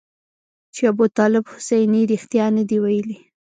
چې ابوطالب حسیني رښتیا نه دي ویلي.